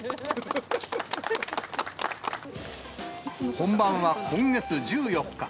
本番は今月１４日。